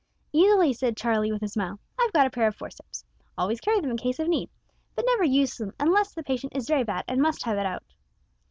"Easily," said Charlie, with a smile. "I've got a pair of forceps always carry them in case of need, but never use them unless the patient is very bad, and must have it out."